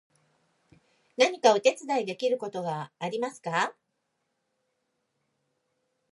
何かお手伝いできることはありますか？